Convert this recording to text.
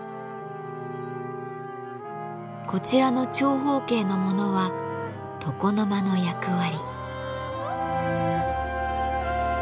こちらの長方形のものは床の間の役割。